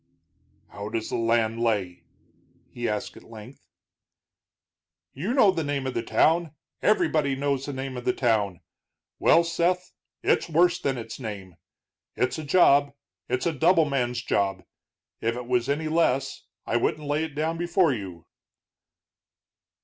"How does the land lay?" he asked at length. "You know the name of the town, everybody knows the name of the town. Well, Seth, it's worse than its name. It's a job; it's a double man's job. If it was any less, I wouldn't lay it down before you."